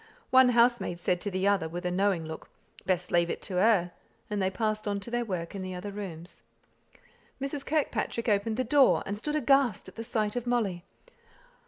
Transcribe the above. One housemaid said to the other, with a knowing look, "Best leave it to her;" and they passed on to their work in the other rooms. Mrs. Kirkpatrick opened the door, and stood aghast at the sight of Molly.